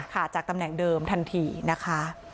จากตำแหน่งเดิมทันทีนะคะ